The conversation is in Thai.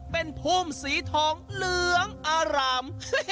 เป็นพุ่มสีทองเหลืองอาราม